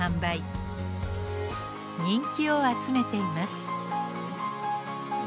人気を集めています。